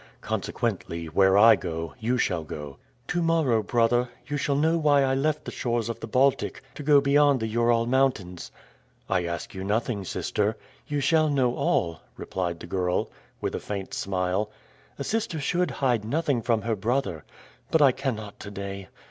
Consequently, where I go, you shall go." "To morrow, brother, you shall know why I left the shores of the Baltic to go beyond the Ural Mountains." "I ask you nothing, sister." "You shall know all," replied the girl, with a faint smile. "A sister should hide nothing from her brother. But I cannot to day.